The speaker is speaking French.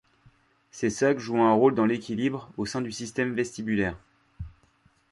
Ces sacs jouent un rôle dans l'équilibre, au sein du système vestibulaire.